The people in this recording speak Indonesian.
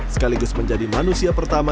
sekaligus menjadi manusia pertama